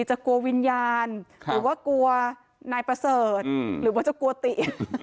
จะกลัววิญญาณหรือว่ากลัวนายประเสริฐหรือว่าจะกลัวติ